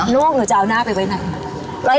ลูกหนูจะเอาหน้าไปไว้ไหน